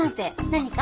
何か？